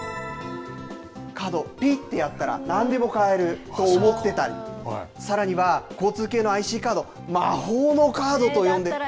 カード、ピッとやったらなんでも買えると思ってたり、さらには、交通系のＩＣカード、魔法のカードと呼んで。